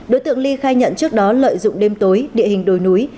đối tượng ly khai nhận trước đó lợi dụng đêm tối địa hình đồi núi